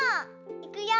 いくよ。